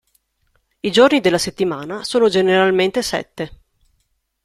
I giorni della settimana sono generalmente sette.